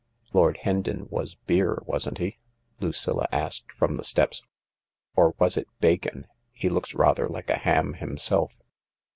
" Lord Hendon was beer, wasn't he ?" Lucilla asked from the steps. " Or was it bacon ? He looks rather like a ham himself."